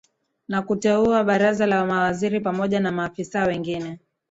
na kuteua baraza la mawaziri pamoja na maafisa wengine